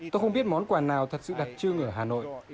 tôi không biết món quà nào thật sự đặc trưng ở hà nội